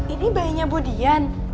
ini bayinya bu dian